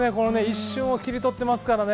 一瞬を切り取っていますから。